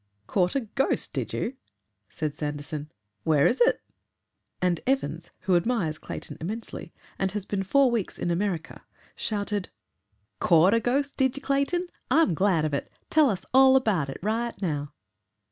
"Caught a ghost, did you?" said Sanderson. "Where is it?" And Evans, who admires Clayton immensely and has been four weeks in America, shouted, "CAUGHT a ghost, did you, Clayton? I'm glad of it! Tell us all about it right now."